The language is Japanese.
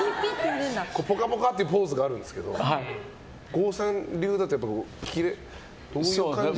「ぽかぽか」っていうポーズがあるんですけど郷さん流だと、キレはどういう感じで。